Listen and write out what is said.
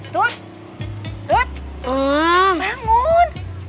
tuh tuh bangun